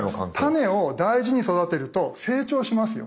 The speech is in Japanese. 種を大事に育てると成長しますよね。